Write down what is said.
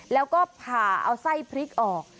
แล้วก็ผ่าเอาไส้พริกออก